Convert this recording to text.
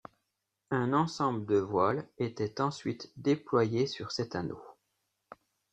Un ensemble de voiles était ensuite déployé sur cet anneau.